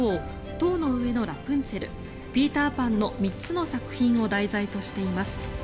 「塔の上のラプンツェル」「ピーター・パン」の３つの作品を題材としています。